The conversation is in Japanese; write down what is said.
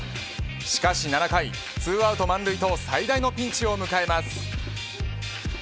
しかし７回２アウト満塁と最大のピンチを迎えます。